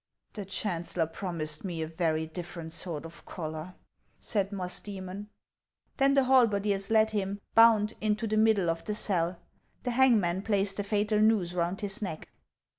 " The chancellor promised me a very different sort of collar/' said Musdiemon. Then the halberdiers led him, bound, into the middle of the cell ; the hangman placed the fatal noose round his neck.